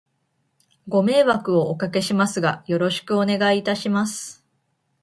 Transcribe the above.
ご迷惑をお掛けしますが、よろしくお願いいたします。